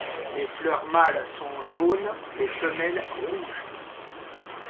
Les fleurs mâles sont jaunes, les femelles rouges.